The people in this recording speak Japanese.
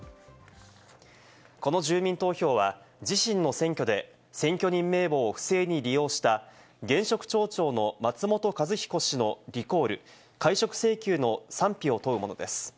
この住民投票は自身の選挙で選挙人名簿を不正に利用した現職町長の松本一彦氏のリコール、解職請求の賛否を問うものです。